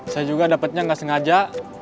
saya juga dapetnya gak sengaja